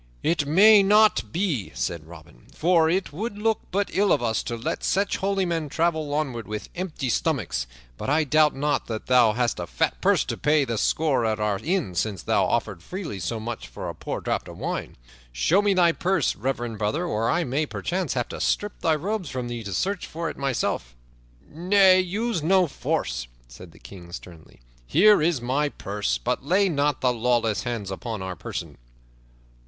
"It may not be," said Robin, "for it would look but ill of us to let such holy men travel onward with empty stomachs. But I doubt not that thou hast a fat purse to pay thy score at our inn since thou offerest freely so much for a poor draught of wine. Show me thy purse, reverend brother, or I may perchance have to strip thy robes from thee to search for it myself." "Nay, use no force," said the King sternly. "Here is my purse, but lay not thy lawless hands upon our person."